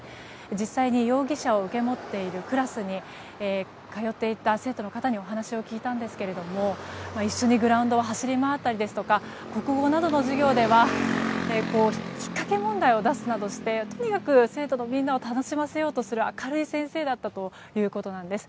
実際に容疑者が受け持っているクラスに通っていた生徒の方にお話を聞いたんですけれども一緒にグラウンドを走り回ったりですとか国語などの授業ではひっかけ問題を出すなどしてとにかく生徒のみんなを楽しませようとする明るい先生だったということなんです。